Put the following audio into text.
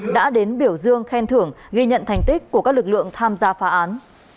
đã đến biểu dương khen thưởng ghi nhận thành tích của các lực lượng tham gia phá án